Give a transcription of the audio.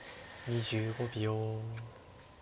２５秒。